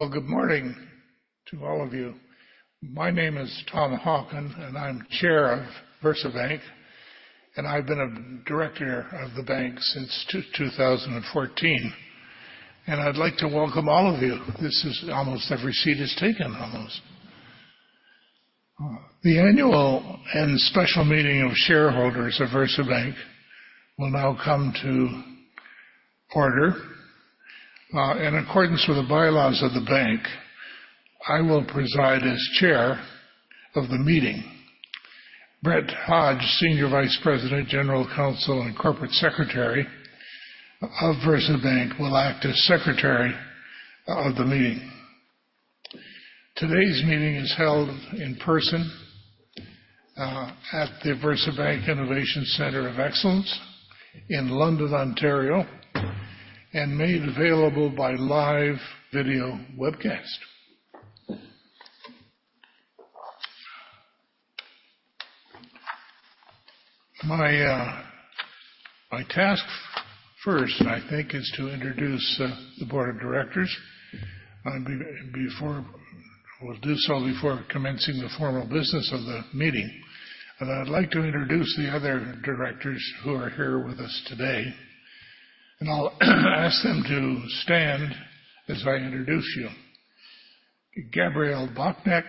Well, good morning to all of you. My name is Tom Hockin, and I'm Chair of VersaBank, and I've been a director of the bank since 2014. I'd like to welcome all of you. This is almost every seat is taken, almost. The annual and special meeting of shareholders of VersaBank will now come to order. In accordance with the bylaws of the bank, I will preside as Chair of the meeting. Brent Hodge, Senior Vice President, General Counsel, and Corporate Secretary of VersaBank, will act as secretary of the meeting. Today's meeting is held in person at the VersaBank Innovation Centre of Excellence in London, Ontario, and made available by live video webcast. My task first, I think, is to introduce the board of directors. I'll do so before commencing the formal business of the meeting. I'd like to introduce the other directors who are here with us today. I'll ask them to stand as I introduce you. Gabrielle Bochynek.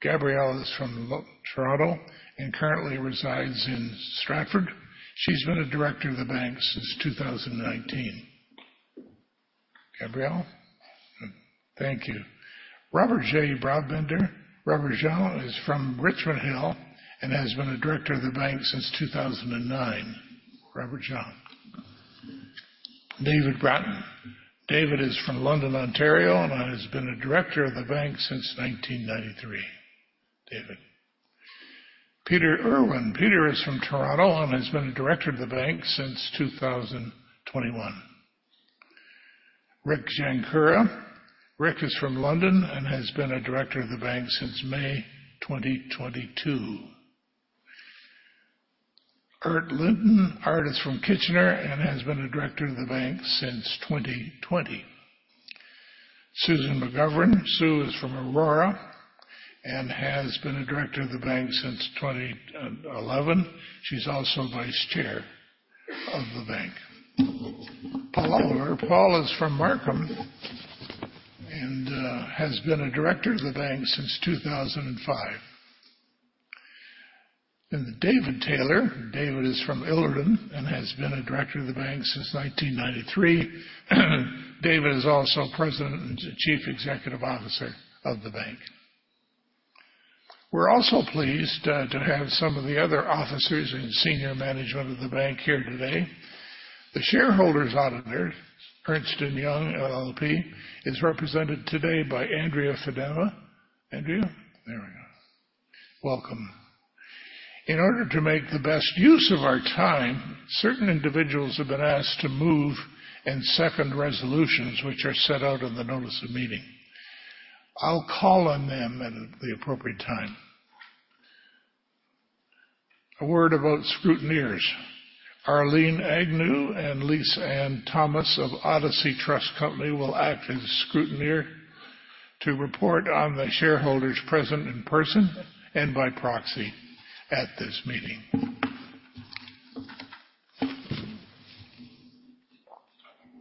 Gabrielle is from Toronto and currently resides in Stratford. She's been a director of the bank since 2019. Gabrielle, thank you. Robbert-Jan Brabander. Robbert-Jan is from Richmond Hill and has been a director of the bank since 2009. Robbert-Jan. David Bratton. David is from London, Ontario, and has been a director of the bank since 1993. David. Peter Irwin. Peter is from Toronto and has been a director of the bank since 2021. Rick Jankura. Rick is from London and has been a director of the bank since May 2022. Art Linton. Art is from Kitchener and has been a director of the bank since 2020. Susan McGovern. Sue is from Aurora and has been a director of the bank since 2011. She's also Vice Chair of the bank. Paul Oliver. Paul is from Markham and has been a director of the bank since 2005. And David Taylor. David is from Ilderton and has been a director of the bank since 1993. David is also President and Chief Executive Officer of the bank. We're also pleased to have some of the other officers in senior management of the bank here today. The shareholders' auditor, Ernst & Young LLP, is represented today by Andrea Feddema. Andrea. there we go. Welcome. In order to make the best use of our time, certain individuals have been asked to move and second resolutions, which are set out in the notice of meeting. I'll call on them at the appropriate time. A word about scrutineers. Arlene Agnew and Lise-Anne Thomas of Odyssey Trust Company will act as scrutineer to report on the shareholders present in person and by proxy at this meeting.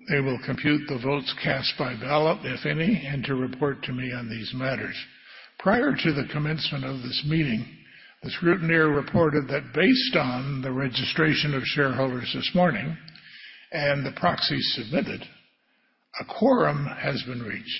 They will compute the votes cast by ballot, if any, and to report to me on these matters. Prior to the commencement of this meeting, the scrutineer reported that based on the registration of shareholders this morning and the proxies submitted, a quorum has been reached.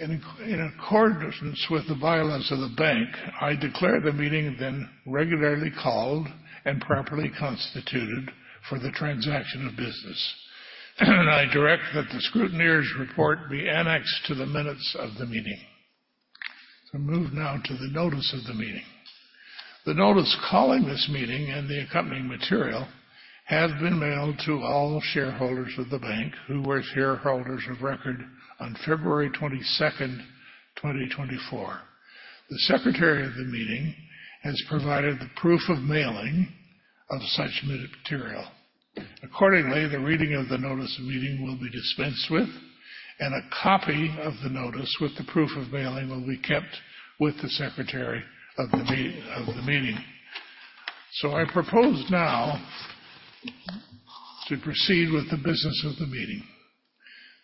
In accordance with the bylaws of the bank, I declare the meeting then regularly called and properly constituted for the transaction of business. I direct that the scrutineers' report be annexed to the minutes of the meeting. Move now to the notice of the meeting. The notice calling this meeting and the accompanying material have been mailed to all shareholders of the bank who were shareholders of record on February 22nd, 2024. The secretary of the meeting has provided the proof of mailing of such material. Accordingly, the reading of the notice of meeting will be dispensed with, and a copy of the notice with the proof of mailing will be kept with the secretary of the meeting. I propose now to proceed with the business of the meeting.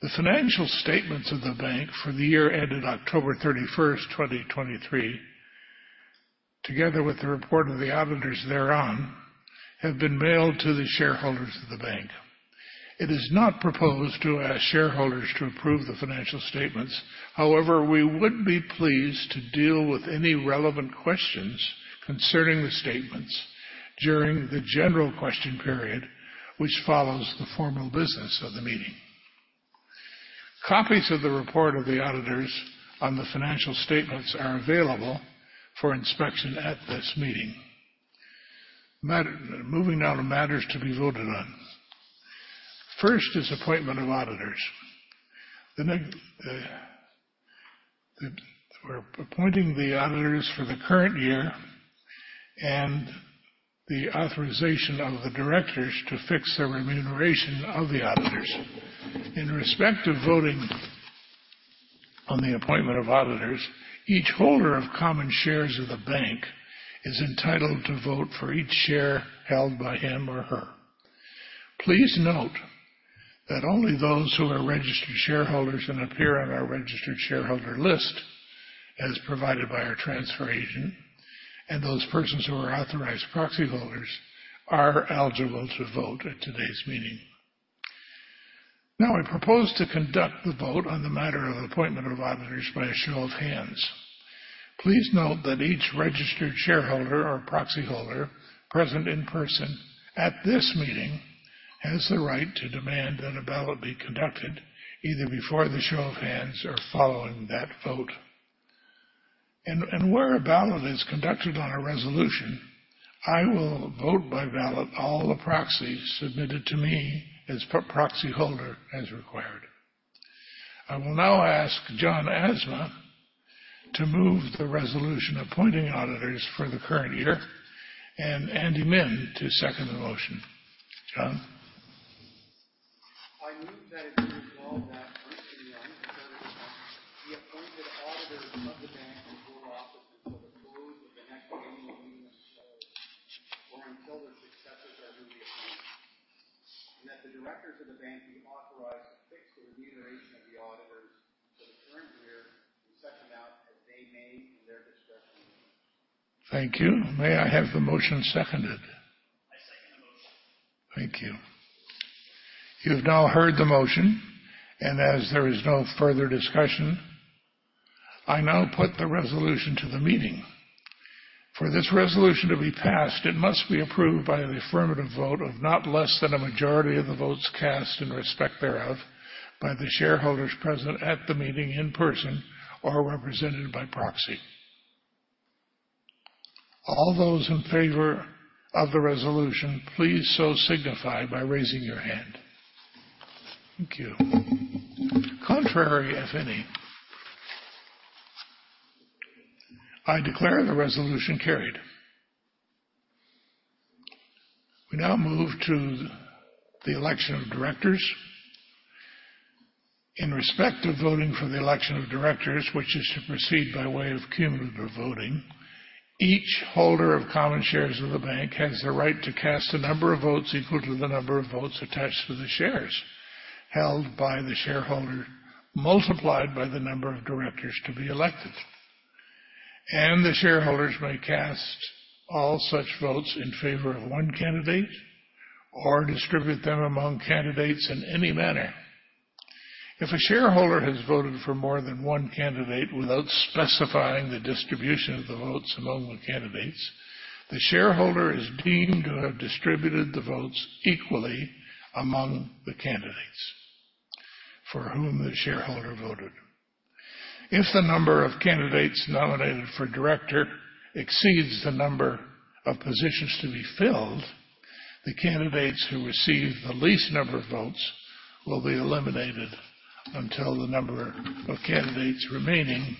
The financial statements of the bank for the year ended October 31st, 2023, together with the report of the auditors thereon, have been mailed to the shareholders of the bank. It is not proposed to ask shareholders to approve the financial statements. However, we would be pleased to deal with any relevant questions concerning the statements during the general question period, which follows the formal business of the meeting. Copies of the report of the auditors on the financial statements are available for inspection at this meeting. Moving now to matters to be voted on. First is appointment of auditors. We're appointing the auditors for the current year and the authorization of the directors to fix their remuneration of the auditors. In respect of voting on the appointment of auditors, each holder of common shares of the bank is entitled to vote for each share held by him or her. Please note that only those who are registered shareholders and appear on our registered shareholder list as provided by our transfer agent, and those persons who are authorized proxy holders, are eligible to vote at today's meeting. Now, I propose to conduct the vote on the matter of appointment of auditors by a show of hands. Please note that each registered shareholder or proxy holder present in person at this meeting has the right to demand that a ballot be conducted either before the show of hands or following that vote. Where a ballot is conducted on a resolution, I will vote by ballot all the proxies submitted to me as proxy holder as required. I will now ask John Asma to move the resolution appointing auditors for the current year and Andy Min to second the motion. John. I move that it be resolved that Ernst & Young LLP be appointed auditors of the bank to hold office until the close of the next annual meeting of the shareholders or until their successors are appointed, and that the directors of the bank be authorized to fix the remuneration of the auditors for the current year as they see fit. Thank you. May I have the motion seconded? I second the motion. Thank you. You have now heard the motion. And as there is no further discussion, I now put the resolution to the meeting. For this resolution to be passed, it must be approved by an affirmative vote of not less than a majority of the votes cast in respect thereof by the shareholders present at the meeting in person or represented by proxy. All those in favor of the resolution, please so signify by raising your hand. Thank you. Contrary, if any? I declare the resolution carried. We now move to the election of directors. In respect of voting for the election of directors, which is to proceed by way of cumulative voting, each holder of common shares of the bank has the right to cast a number of votes equal to the number of votes attached to the shares held by the shareholder multiplied by the number of directors to be elected. The shareholders may cast all such votes in favor of one candidate or distribute them among candidates in any manner. If a shareholder has voted for more than one candidate without specifying the distribution of the votes among the candidates, the shareholder is deemed to have distributed the votes equally among the candidates for whom the shareholder voted. If the number of candidates nominated for director exceeds the number of positions to be filled, the candidates who receive the least number of votes will be eliminated until the number of candidates remaining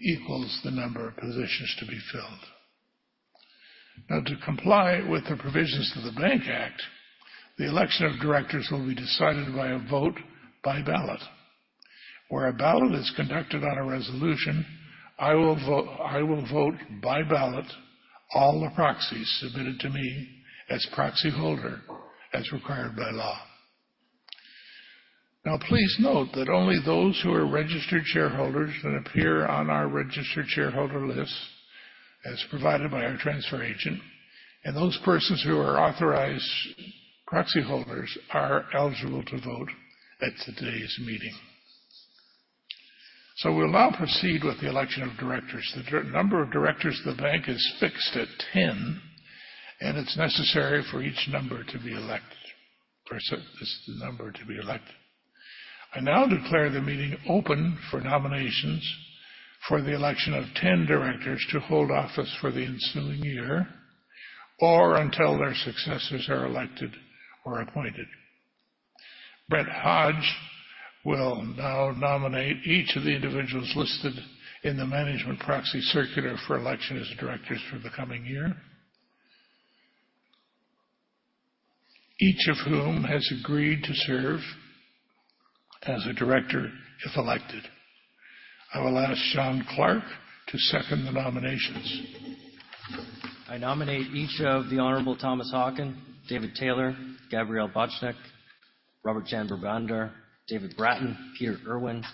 equals the number of positions to be filled. Now, to comply with the provisions of the Bank Act, the election of directors will be decided by a vote by ballot. Where a ballot is conducted on a resolution, I will vote by ballot all the proxies submitted to me as proxy holder as required by law. Now, please note that only those who are registered shareholders that appear on our registered shareholder lists as provided by our transfer agent, and those persons who are authorized proxy holders, are eligible to vote at today's meeting. We'll now proceed with the election of directors. The number of directors of the bank is fixed at 10, and it's necessary for each number to be elected. This is the number to be elected. I now declare the meeting open for nominations for the election of 10 directors to hold office for the ensuing year or until their successors are elected or appointed. Brent Hodge will now nominate each of the individuals listed in the management proxy circular for election as directors for the coming year, each of whom has agreed to serve as a director if elected. I will ask Shawn Clarke to second the nominations. I nominate each of the honorable Thomas Hockin, David Taylor, Gabrielle Bochynek, Robbert-Jan Brabander, David Bratton, Peter Irwin,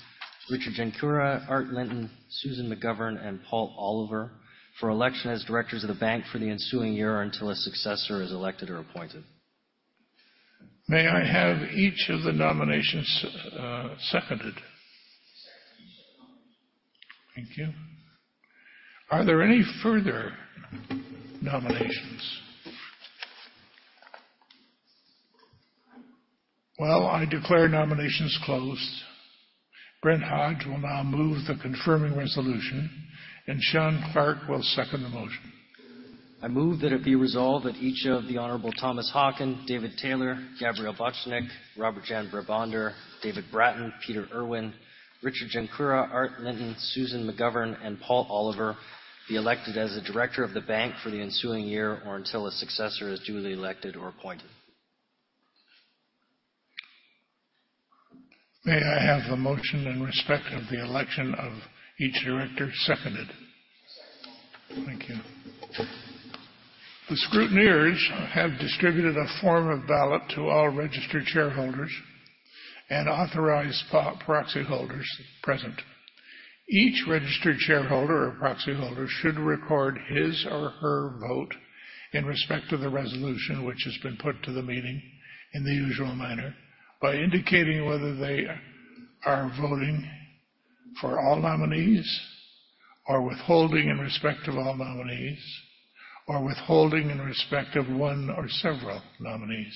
Richard Jankura, Arthur Linton, Susan McGovern, and Paul Oliver for election as directors of the bank for the ensuing year or until a successor is elected or appointed. May I have each of the nominations seconded? Second each of the nominations. Thank you. Are there any further nominations? Well, I declare nominations closed. Brent Hodge will now move the confirming resolution, and Shawn Clarke will second the motion. I move that it be resolved that each of the honorable Thomas Hockin, David Taylor, Gabrielle Bochynek, Robbert-Jan Brabander, David Bratton, Peter Irwin, Richard Jankura, Arthur Linton, Susan McGovern, and Paul Oliver be elected as a director of the bank for the ensuing year or until a successor is duly elected or appointed. May I have the motion in respect of the election of each director seconded? Second all. Thank you. The scrutineers have distributed a form of ballot to all registered shareholders and authorized proxy holders present. Each registered shareholder or proxy holder should record his or her vote in respect of the resolution, which has been put to the meeting in the usual manner, by indicating whether they are voting for all nominees or withholding in respect of all nominees or withholding in respect of one or several nominees.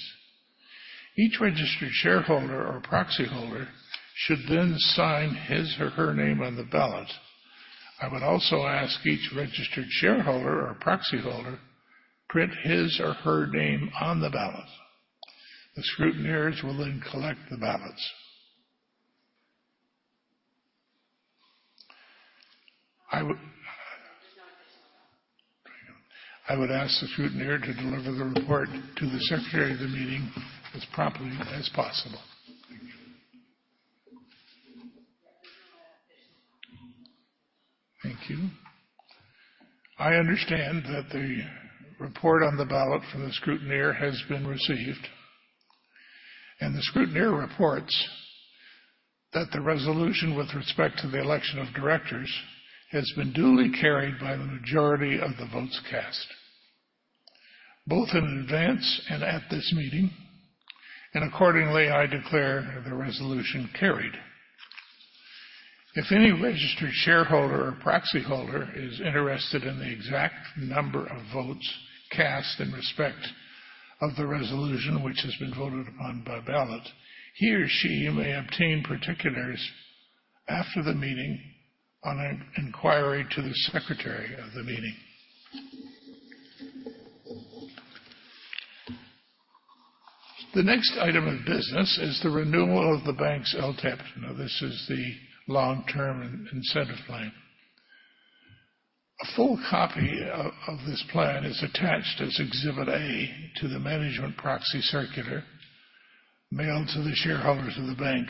Each registered shareholder or proxy holder should then sign his or her name on the ballot. I would also ask each registered shareholder or proxy holder print his or her name on the ballot. The scrutineers will then collect the ballots. I would ask the scrutineer to deliver the report to the secretary of the meeting as promptly as possible. Thank you. Thank you. I understand that the report on the ballot from the scrutineer has been received, and the scrutineer reports that the resolution with respect to the election of directors has been duly carried by the majority of the votes cast, both in advance and at this meeting. Accordingly, I declare the resolution carried. If any registered shareholder or proxy holder is interested in the exact number of votes cast in respect of the resolution, which has been voted upon by ballot, he or she may obtain particulars after the meeting on an inquiry to the secretary of the meeting. The next item of business is the renewal of the bank's LTIP. Now, this is the long-term incentive plan. A full copy of this plan is attached as Exhibit A to the management proxy circular mailed to the shareholders of the bank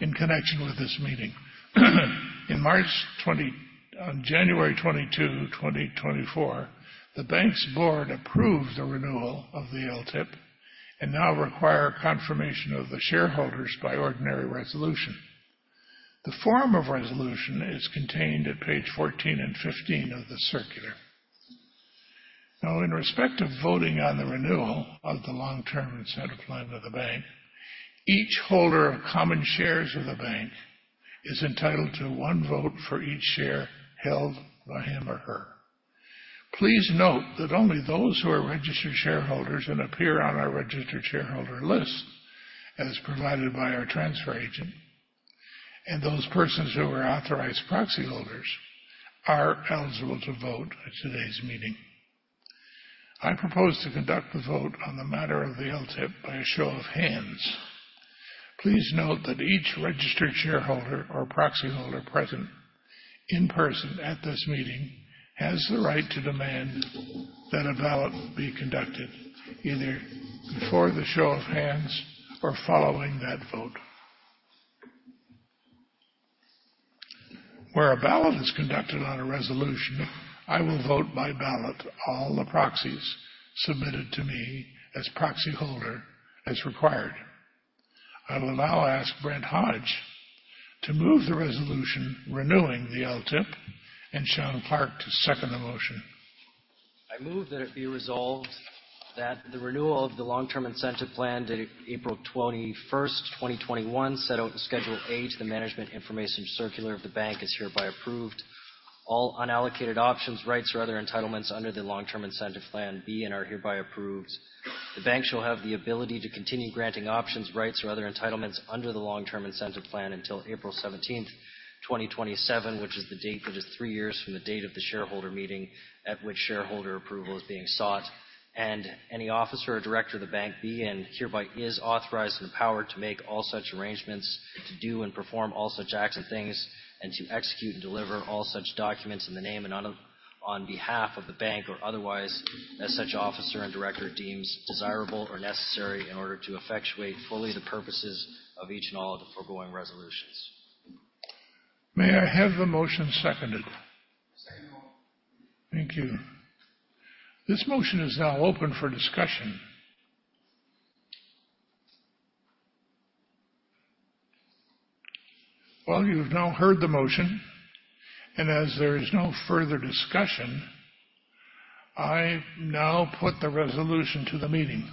in connection with this meeting. On January 22, 2024, the bank's board approved the renewal of the LTIP and now requires confirmation of the shareholders by ordinary resolution. The form of resolution is contained at page 14 and 15 of the circular. Now, in respect of voting on the renewal of the long-term incentive plan of the bank, each holder of common shares of the bank is entitled to one vote for each share held by him or her. Please note that only those who are registered shareholders and appear on our registered shareholder list as provided by our transfer agent, and those persons who are authorized proxy holders, are eligible to vote at today's meeting. I propose to conduct the vote on the matter of the LTIP by a show of hands. Please note that each registered shareholder or proxy holder present in person at this meeting has the right to demand that a ballot be conducted either before the show of hands or following that vote. Where a ballot is conducted on a resolution, I will vote by ballot all the proxies submitted to me as proxy holder as required. I will now ask Brent Hodge to move the resolution renewing the LTIP and Shawn Clarke to second the motion. I move that it be resolved that the renewal of the Long-Term Incentive Plan to April 21st, 2021, set out in Schedule A to the management information circular of the bank is hereby approved. All unallocated options, rights, or other entitlements under the Long-Term Incentive Plan are hereby approved. The bank shall have the ability to continue granting options, rights, or other entitlements under the Long-Term Incentive Plan until April 17th, 2027, which is the date that is three years from the date of the shareholder meeting at which shareholder approval is being sought. Any officer or director of the bank hereby is authorized and empowered to make all such arrangements, to do and perform all such acts and things, and to execute and deliver all such documents in the name and on behalf of the bank or otherwise as such officer and director deems desirable or necessary in order to effectuate fully the purposes of each and all of the foregoing resolutions. May I have the motion seconded? Second all. Thank you. This motion is now open for discussion. Well, you have now heard the motion. And as there is no further discussion, I now put the resolution to the meeting.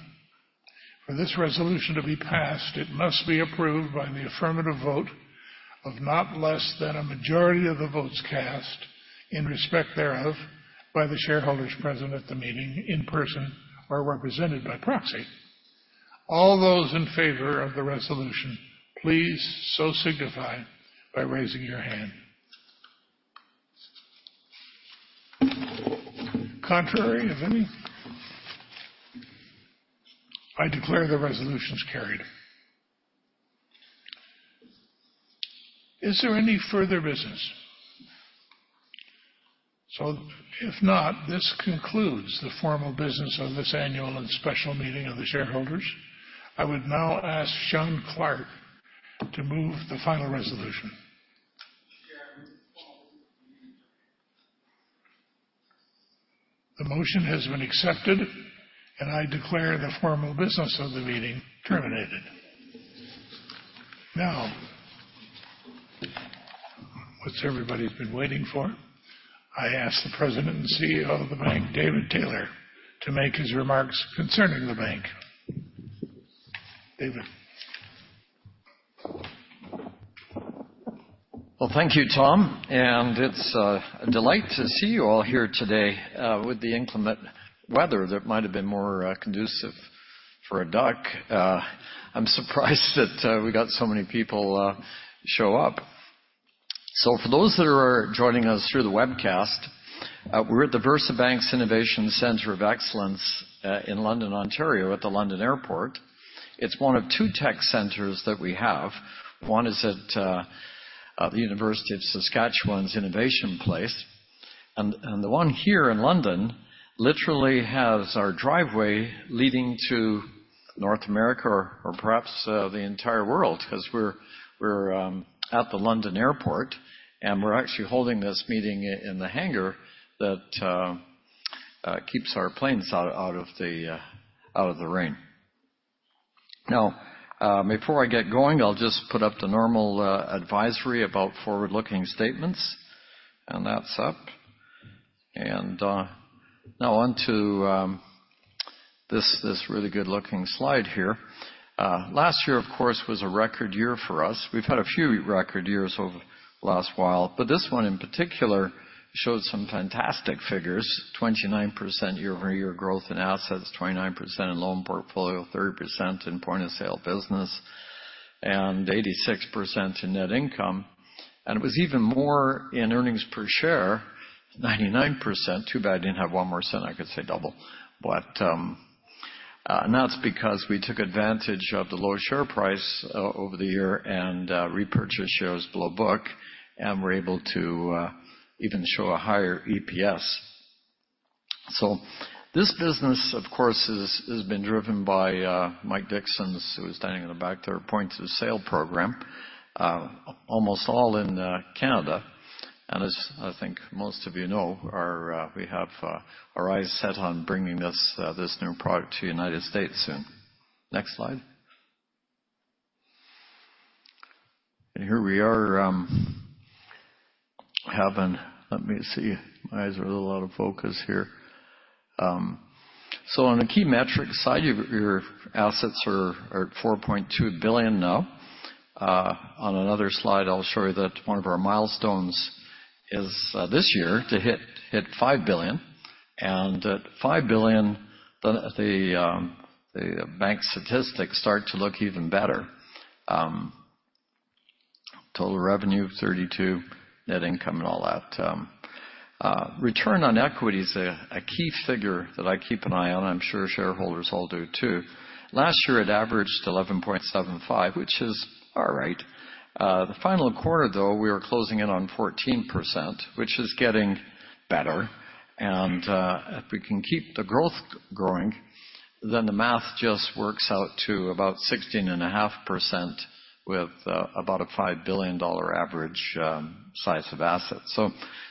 For this resolution to be passed, it must be approved by the affirmative vote of not less than a majority of the votes cast in respect thereof by the shareholders present at the meeting in person or represented by proxy. All those in favor of the resolution, please so signify by raising your hand. Contrary, if any. I declare the resolution's carried. Is there any further business? If not, this concludes the formal business of this annual and special meeting of the shareholders. I would now ask Shawn Clarke to move the final resolution. Chair, move the formal business of the meeting is okay. The motion has been accepted, and I declare the formal business of the meeting terminated. Now, what everybody's been waiting for, I ask the President and CEO of the bank, David Taylor, to make his remarks concerning the bank. David. Well, thank you, Tom. It's a delight to see you all here today with the inclement weather that might have been more conducive for a duck. I'm surprised that we got so many people show up. So for those that are joining us through the webcast, we're at the VersaBank Innovation Center of Excellence in London, Ontario, at the London Airport. It's one of two tech centers that we have. One is at the University of Saskatchewan's Innovation Place. The one here in London literally has our driveway leading to North America or perhaps the entire world because we're at the London Airport, and we're actually holding this meeting in the hangar that keeps our planes out of the rain. Now, before I get going, I'll just put up the normal advisory about forward-looking statements. That's up. Now onto this really good-looking slide here. Last year, of course, was a record year for us. We've had a few record years over the last while, but this one in particular showed some fantastic figures, 29% year-over-year growth in assets, 29% in loan portfolio, 30% in point-of-sale business, and 86% in net income. It was even more in earnings per share, 99%. Too bad I didn't have one more cent. I could say double. That's because we took advantage of the low share price over the year and repurchased shares below book, and were able to even show a higher EPS. This business, of course, has been driven by Mike Dixon's, who is standing in the back there, Point-of-Sale program, almost all in Canada. As I think most of you know, we have our eyes set on bringing this new product to the United States soon. Next slide. Here we are, let me see. My eyes are a little out of focus here. On the key metric side, your assets are at 4.2 billion now. On another slide, I'll show you that one of our milestones is this year to hit 5 billion. At 5 billion, the bank statistics start to look even better. Total revenue, 32 million, net income, and all that. Return on equity is a key figure that I keep an eye on. I'm sure shareholders all do too. Last year, it averaged 11.75%, which is all right. The final quarter, though, we were closing in on 14%, which is getting better. If we can keep the growth growing, then the math just works out to about 16.5% with about a 5 billion dollar average size of assets. So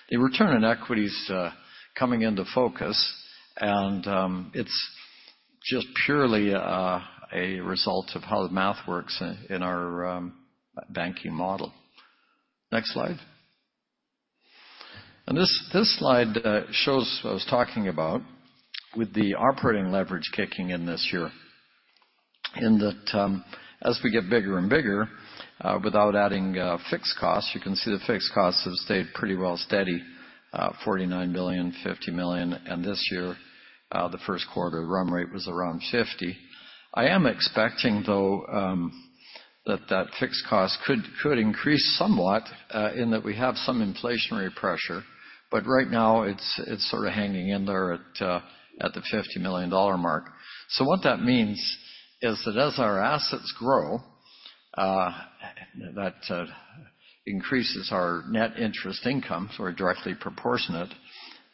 the return on equity's coming into focus, and it's just purely a result of how the math works in our banking model. Next slide. This slide shows what I was talking about with the operating leverage kicking in this year. In that as we get bigger and bigger, without adding fixed costs, you can see the fixed costs have stayed pretty well steady, 49 million, 50 million. And this year, the first quarter run rate was around 50 million. I am expecting, though, that that fixed cost could increase somewhat in that we have some inflationary pressure. But right now, it's sort of hanging in there at the 50 million dollar mark. So what that means is that as our assets grow, that increases our net interest income, so we're directly proportionate.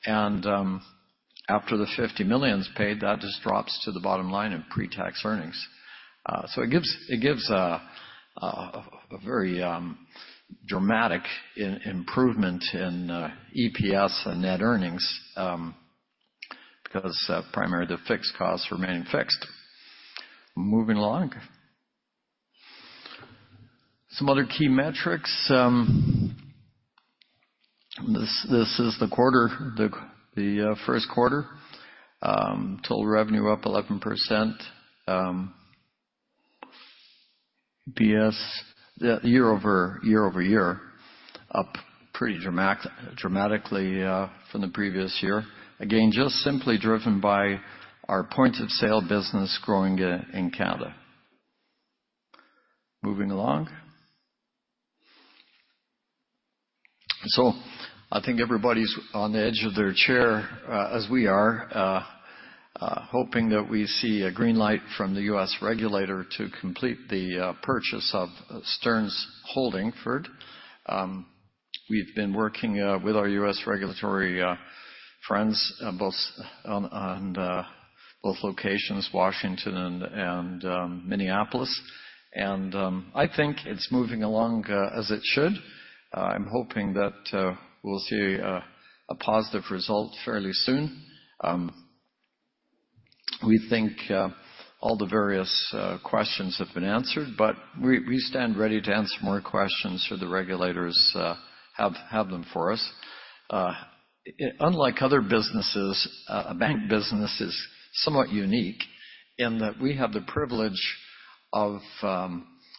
And after the 50 million is paid, that just drops to the bottom line of pre-tax earnings. So it gives a very dramatic improvement in EPS and net earnings because primarily the fixed costs remain fixed. Moving along. Some other key metrics. This is the first quarter. Total revenue up 11%. EPS year-over-year up pretty dramatically from the previous year. Again, just simply driven by our points of sale business growing in Canada. Moving along. So I think everybody's on the edge of their chair, as we are, hoping that we see a green light from the U.S. regulator to complete the purchase of Stearns Holdingford. We've been working with our U.S. regulatory friends on both locations, Washington and Minneapolis. And I think it's moving along as it should. I'm hoping that we'll see a positive result fairly soon. We think all the various questions have been answered, but we stand ready to answer more questions should the regulators have them for us. Unlike other businesses, a bank business is somewhat unique in that we have the privilege of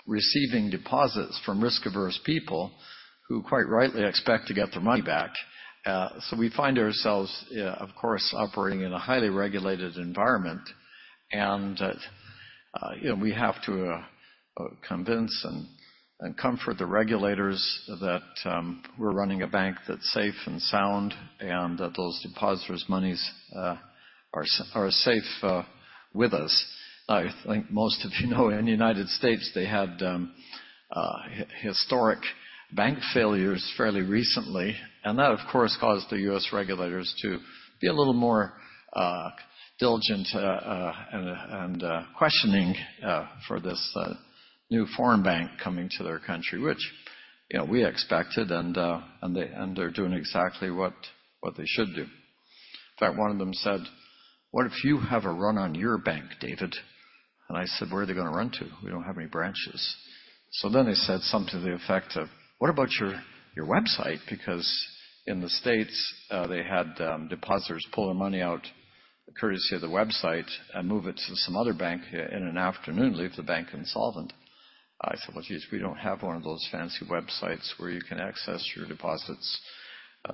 receiving deposits from risk-averse people who quite rightly expect to get their money back. So we find ourselves, of course, operating in a highly regulated environment. And we have to convince and comfort the regulators that we're running a bank that's safe and sound and that those depositors' monies are safe with us. I think most of you know in the United States, they had historic bank failures fairly recently. And that, of course, caused the U.S. regulators to be a little more diligent and questioning for this new foreign bank coming to their country, which we expected, and they're doing exactly what they should do. In fact, one of them said, "What if you have a run on your bank, David?" And I said, "Where are they going to run to? We don't have any branches." So then they said something to the effect of, "What about your website?" Because in the States, they had depositors pull their money out courtesy of the website and move it to some other bank in an afternoon, leave the bank insolvent. I said, "Well, geez, we don't have one of those fancy websites where you can access your deposits."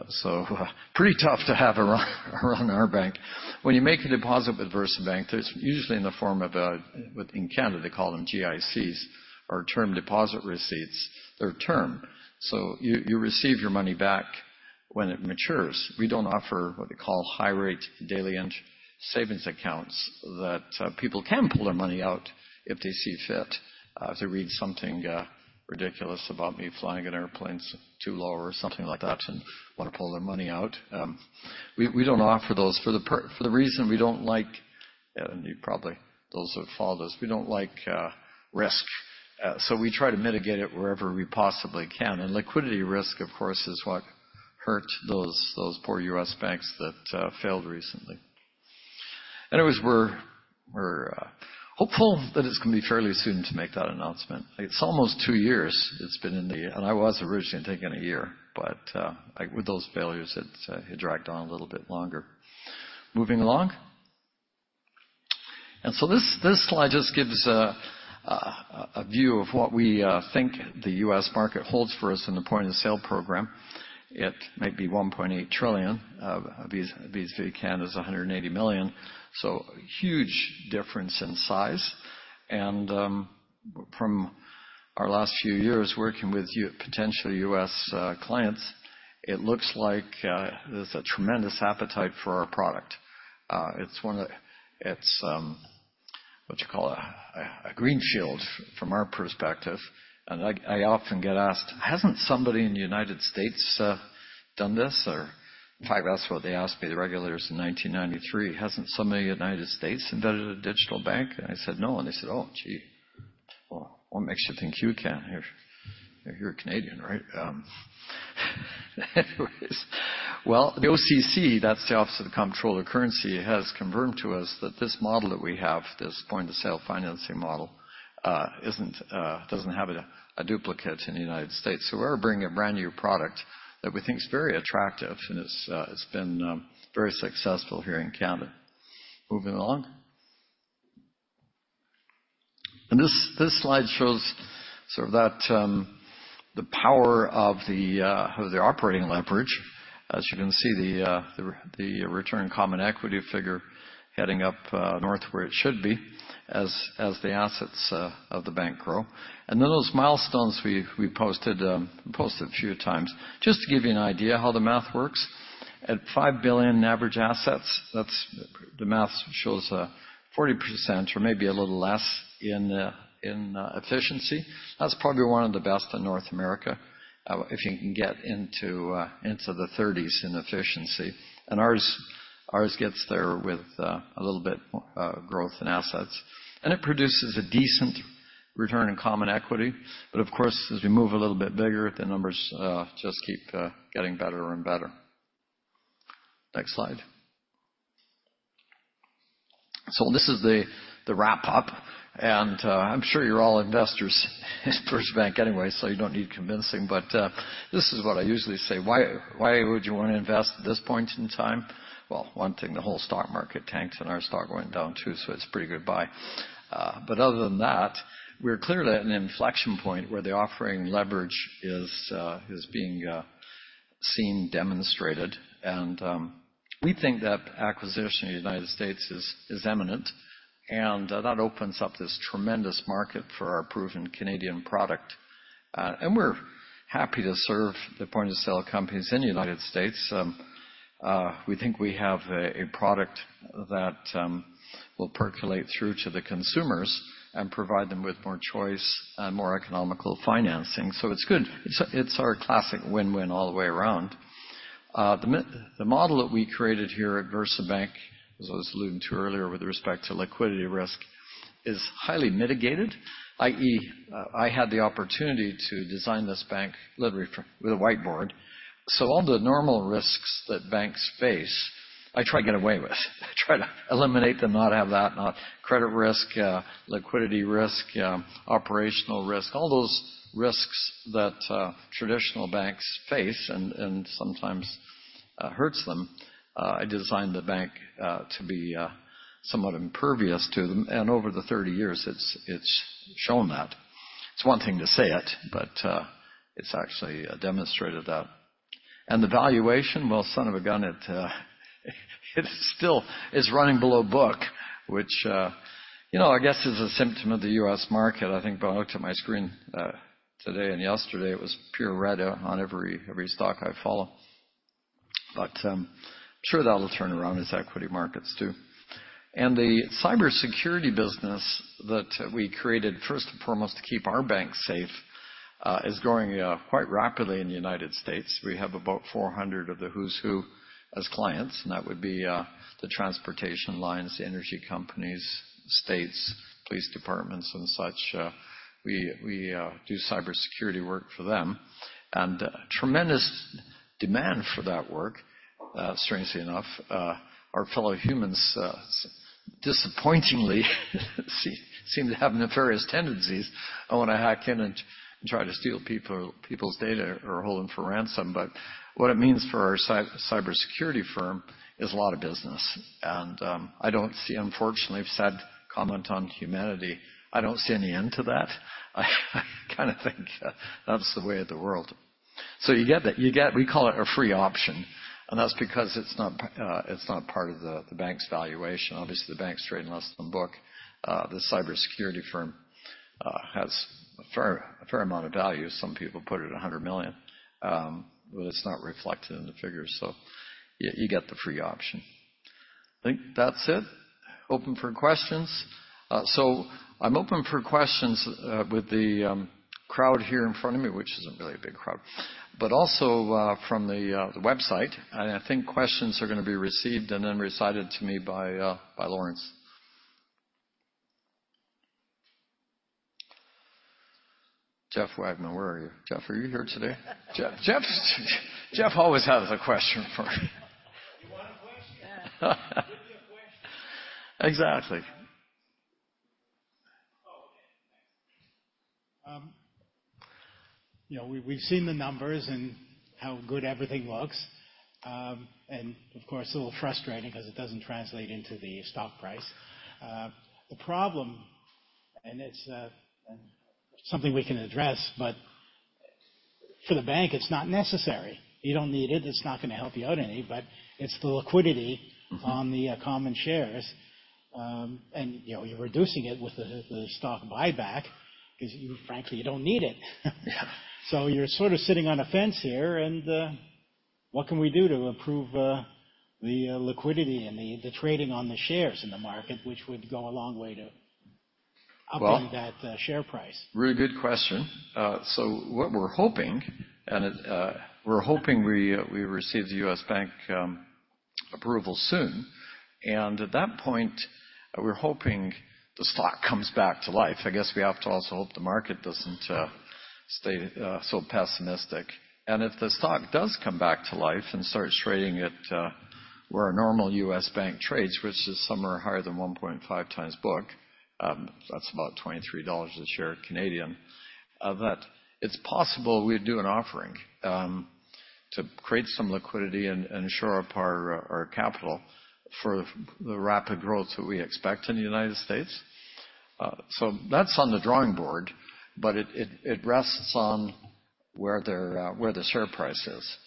So pretty tough to have a run on our bank. When you make a deposit with VersaBank, it's usually in the form of in Canada, they call them GICs or term deposit receipts. They're term. So you receive your money back when it matures. We don't offer what they call high-rate daily savings accounts that people can pull their money out if they see fit, if they read something ridiculous about me flying an airplane too low or something like that and want to pull their money out. We don't offer those for the reason we don't like and you probably those who have followed us, we don't like risk. So we try to mitigate it wherever we possibly can. And liquidity risk, of course, is what hurt those poor U.S. banks that failed recently. Anyways, we're hopeful that it's going to be fairly soon to make that announcement. It's almost two years it's been in the and I was originally thinking 1 year, but with those failures, it dragged on a little bit longer. Moving along. This slide just gives a view of what we think the U.S. market holds for us in the point-of-sale program. It might be $1.8 trillion. BSV Canada is 180 million. So huge difference in size. From our last few years working with potentially U.S. clients, it looks like there's a tremendous appetite for our product. It's one of the it's what you call a greenfield from our perspective. I often get asked, "Hasn't somebody in the United States done this?" Or in fact, that's what they asked me, the regulators in 1993, "Hasn't somebody in the United States invented a digital bank?" I said, "No." They said, "Oh, gee. Well, what makes you think you can? You're a Canadian, right?" Anyways, well, the OCC, that's the Office of the Comptroller of the Currency, has confirmed to us that this model that we have, this point-of-sale financing model, doesn't have a duplicate in the United States. So we're bringing a brand new product that we think's very attractive, and it's been very successful here in Canada. Moving along. And this slide shows sort of the power of the operating leverage. As you can see, the return on common equity figure heading up north where it should be as the assets of the bank grow. And then those milestones we posted a few times just to give you an idea how the math works. At 5 billion in average assets, the math shows 40% or maybe a little less in efficiency. That's probably one of the best in North America if you can get into the 30s% in efficiency. And ours gets there with a little bit more growth in assets. And it produces a decent return in common equity. But of course, as we move a little bit bigger, the numbers just keep getting better and better. Next slide. So this is the wrap-up. And I'm sure you're all investors at VersaBank anyway, so you don't need convincing. But this is what I usually say. Why would you want to invest at this point in time? Well, one thing, the whole stock market tanked, and our stock went down too, so it's a pretty good buy. But other than that, we're clearly at an inflection point where the operating leverage is being seen demonstrated. And we think that acquisition in the United States is imminent. And that opens up this tremendous market for our proven Canadian product. And we're happy to serve the point-of-sale companies in the United States. We think we have a product that will percolate through to the consumers and provide them with more choice and more economical financing. So it's good. It's our classic win-win all the way around. The model that we created here at VersaBank, as I was alluding to earlier with respect to liquidity risk, is highly mitigated, i.e., I had the opportunity to design this bank literally with a whiteboard. So all the normal risks that banks face, I try to get away with. I try to eliminate them, not have that, not credit risk, liquidity risk, operational risk, all those risks that traditional banks face and sometimes hurts them. I designed the bank to be somewhat impervious to them. And over the 30 years, it's shown that. It's one thing to say it, but it's actually demonstrated that. And the valuation, well, son of a gun, it still is running below book, which I guess is a symptom of the U.S. market. I think when I looked at my screen today and yesterday, it was pure red on every stock I follow. But I'm sure that'll turn around as equity markets do. And the cybersecurity business that we created, first and foremost, to keep our banks safe, is growing quite rapidly in the United States. We have about 400 of the who's who as clients. And that would be the transportation lines, the energy companies, states, police departments, and such. We do cybersecurity work for them. And tremendous demand for that work, strangely enough. Our fellow humans, disappointingly, seem to have nefarious tendencies. I want to hack in and try to steal people's data or hold them for ransom. But what it means for our cybersecurity firm is a lot of business. And I don't see, unfortunately, it's a sad comment on humanity, I don't see any end to that. I kind of think that's the way of the world. So you get that. We call it a free option. And that's because it's not part of the bank's valuation. Obviously, the bank's trading less than book. The cybersecurity firm has a fair amount of value. Some people put it at 100 million. But it's not reflected in the figures. So you get the free option. I think that's it. Open for questions. So I'm open for questions with the crowd here in front of me, which isn't really a big crowd, but also from the website. And I think questions are going to be received and then recited to me by Lawrence. Jeff Wagman, where are you? Jeff, are you here today? Jeff always has a question for me. You want a question? Give me a question. Exactly. Oh, okay. Thanks. We've seen the numbers and how good everything looks. And of course, a little frustrating because it doesn't translate into the stock price. The problem, and it's something we can address, but for the bank, it's not necessary. You don't need it. It's not going to help you out any. But it's the liquidity on the common shares. And you're reducing it with the stock buyback because frankly, you don't need it. So you're sort of sitting on a fence here. And what can we do to improve the liquidity and the trading on the shares in the market, which would go a long way to upend that share price? Really good question. So what we're hoping, and we're hoping we receive the U.S. bank approval soon. And at that point, we're hoping the stock comes back to life. I guess we have to also hope the market doesn't stay so pessimistic. And if the stock does come back to life and starts trading at where a normal U.S. bank trades, which is somewhere higher than 1.5x book, that's about 23 dollars a share Canadian, that it's possible we'd do an offering to create some liquidity and shore up our capital for the rapid growth that we expect in the United States. So that's on the drawing board, but it rests on where the share price is.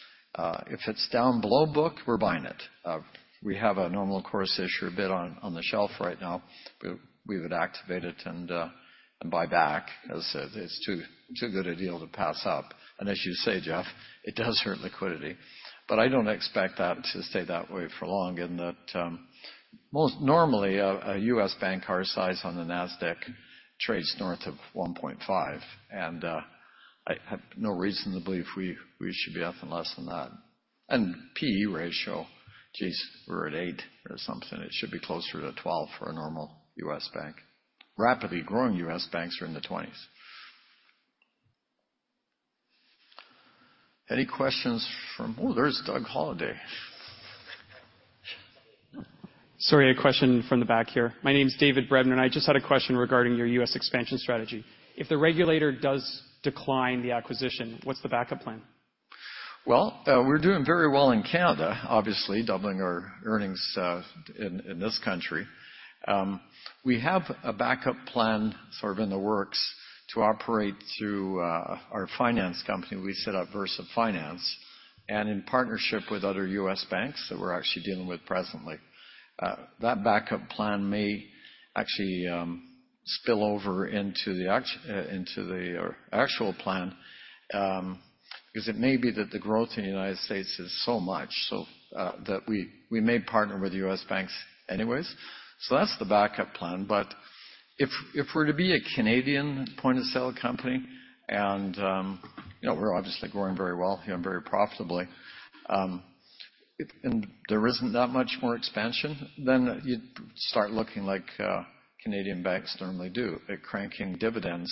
If it's down below book, we're buying it. We have a normal course issuer bid on the shelf right now. We would activate it and buy back because it's too good a deal to pass up. And as you say, Jeff, it does hurt liquidity. But I don't expect that to stay that way for long in that normally, a U.S. bank market cap on the NASDAQ trades north of 1.5. And I have no reason to believe we should be nothing less than that. And PE ratio, geez, we're at 8 or something. It should be closer to 12 for a normal U.S. bank. Rapidly growing U.S. banks are in the 20s. Any questions from—oh, there's Doug Holliday. Sorry, a question from the back here. My name's David Brebner, and I just had a question regarding your U.S. expansion strategy. If the regulator does decline the acquisition, what's the backup plan? Well, we're doing very well in Canada, obviously, doubling our earnings in this country. We have a backup plan sort of in the works to operate through our finance company. We set up VersaFinance and in partnership with other U.S. banks that we're actually dealing with presently. That backup plan may actually spill over into the actual plan because it may be that the growth in the United States is so much that we may partner with U.S. banks anyways. So that's the backup plan. But if we're to be a Canadian point-of-sale company, and we're obviously growing very well here and very profitably, and there isn't that much more expansion, then you'd start looking like Canadian banks normally do at cranking dividends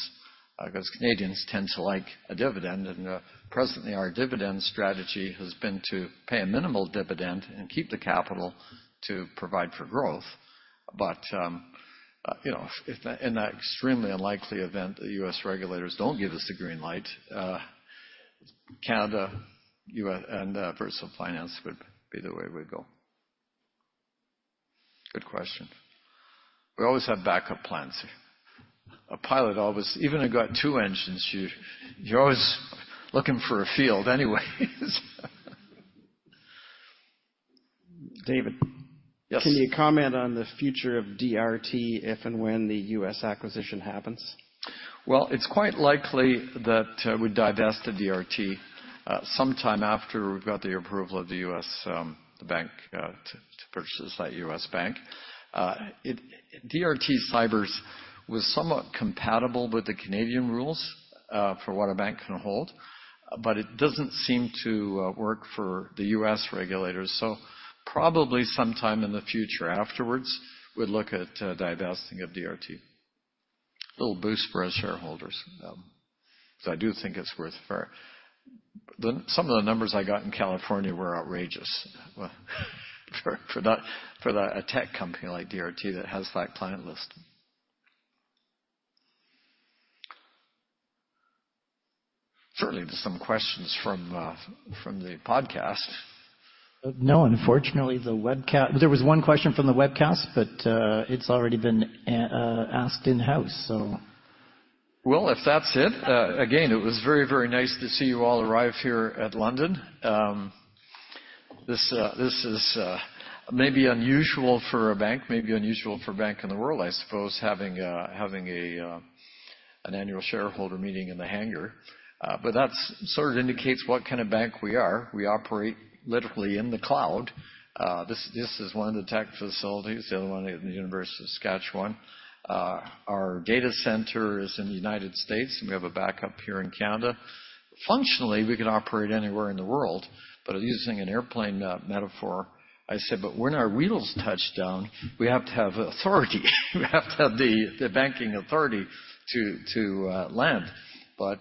because Canadians tend to like a dividend. And presently, our dividend strategy has been to pay a minimal dividend and keep the capital to provide for growth. But in that extremely unlikely event, the U.S. regulators don't give us the green light, Canada and VersaFinance would be the way we'd go. Good question. We always have backup plans. A pilot always, even if you got two engines, you're always looking for a field anyways. David. Yes. Can you comment on the future of DRT if and when the U.S. acquisition happens? Well, it's quite likely that we'd divest the DRT sometime after we've got the approval of the U.S. bank to purchase that U.S. bank. DRT Cyber's was somewhat compatible with the Canadian rules for what a bank can hold, but it doesn't seem to work for the U.S. regulators. So probably sometime in the future afterwards, we'd look at divesting of DRT. Little boost for our shareholders because I do think it's worth it. Some of the numbers I got in California were outrageous for a tech company like DRT that has that client list. Certainly, there's some questions from the podcast. No, unfortunately, there was one question from the webcast, but it's already been asked in-house, so. Well, if that's it, again, it was very, very nice to see you all arrive here at London. This is maybe unusual for a bank, maybe unusual for a bank in the world, I suppose, having an annual shareholder meeting in the hangar. But that sort of indicates what kind of bank we are. We operate literally in the cloud. This is one of the tech facilities. The other one is the University of Saskatchewan. Our data center is in the United States, and we have a backup here in Canada. Functionally, we can operate anywhere in the world. But using an airplane metaphor, I said, but when our wheels touch down, we have to have authority. We have to have the banking authority to land. But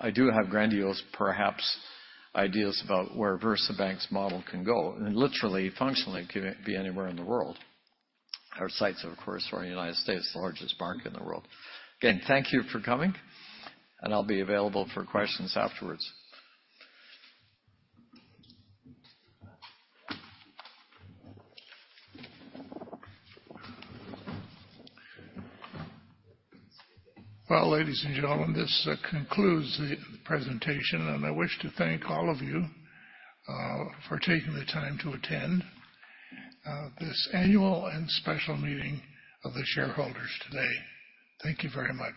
I do have grandiose, perhaps, ideas about where VersaBank's model can go. And literally, functionally, it can be anywhere in the world. Our sites are, of course, in the United States, the largest bank in the world. Again, thank you for coming. And I'll be available for questions afterwards. Well, ladies and gentlemen, this concludes the presentation. And I wish to thank all of you for taking the time to attend this annual and special meeting of the shareholders today. Thank you very much.